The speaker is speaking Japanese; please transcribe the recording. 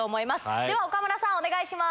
では岡村さん、お願いします。